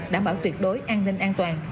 đảm bảo tuyệt đối an ninh an toàn